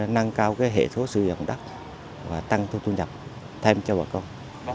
nâng cao cái hệ thống sử dụng đất và tăng thu nhập thêm cho bà công